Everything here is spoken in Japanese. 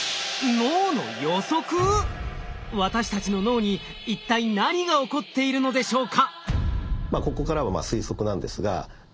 私たちの脳に一体何が起こっているのでしょうか？